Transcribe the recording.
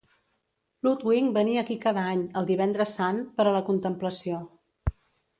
Ludwig venia aquí cada any, el Divendres Sant, per a la contemplació.